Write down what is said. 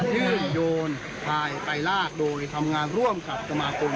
ที่โยนพายไปลากโดยทำงานร่วมกับสมาคม